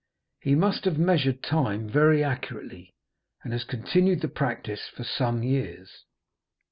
He must have measured time very accurately, and has continued the practice for some years.